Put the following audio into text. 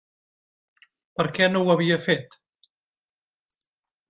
Per què no ho havia fet?